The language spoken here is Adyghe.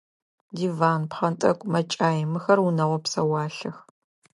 Диван, пхъэнтӏэкӏу, мэкӏай – мыхэр унэгъо псэуалъэх.